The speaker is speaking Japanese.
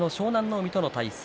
海との対戦。